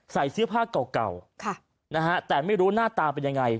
ใส่เสื้อผ้าเก่านะฮะแต่ไม่รู้หน้าตาเป็นยังไง